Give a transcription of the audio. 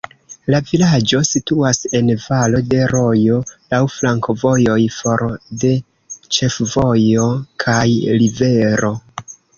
La vilaĝo situas en valo de rojo, laŭ flankovojoj, for de ĉefvojo kaj rivero.